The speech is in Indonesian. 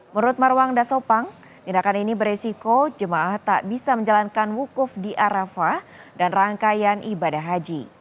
menurut marwang dasopang tindakan ini beresiko jemaah tak bisa menjalankan wukuf di arafah dan rangkaian ibadah haji